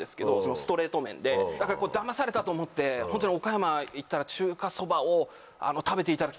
ストレート麺でだからだまされたと思ってホントに岡山行ったら中華そばを食べていただきたいです。